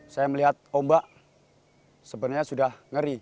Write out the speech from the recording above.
saya melihat ombak sebenarnya sudah ngeri